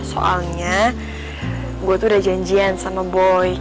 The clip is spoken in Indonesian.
soalnya gue tuh udah janjian sama boy